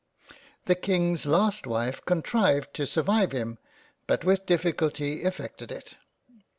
The Kings last wife contrived to survive him, but with difficulty effected it.